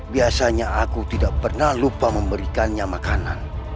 biasanya aku tidak pernah lupa memberikannya makanan